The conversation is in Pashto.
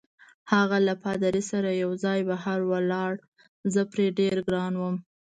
هغه له پادري سره یوځای بهر ولاړ، زه پرې ډېر ګران وم.